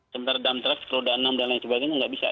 sementara dump truck roda enam dan lain sebagainya nggak bisa